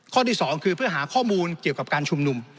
ข้อที่๒คือเพื่อหาข้อมูลเกี่ยวกับการชุมนุม